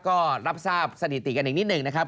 ก็รับทราบสถิติกันอีกนิดหนึ่งนะครับ